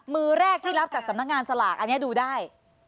มือแรกที่รับจากสำนักงานสลากอันนี้ดูได้